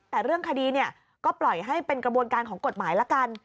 แต่เรื่องคดีเนี่ยก็ปล่อยให้เป็นกระบวนการของกฎหมายละกัน